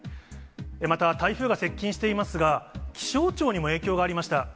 また、台風が接近していますが、気象庁にも影響がありました。